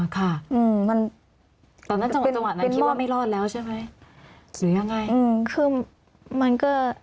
ค่ะตอนนั้นจังหวะผิดว่าไม่รอดแล้วใช่ไหมหรือยังไง